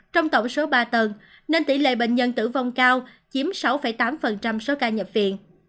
trong tổng số ba tầng nên tỷ lệ bệnh nhân tử vong cao chiếm sáu tám số ca nhập viện